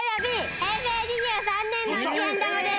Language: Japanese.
平成２３年の一円玉です。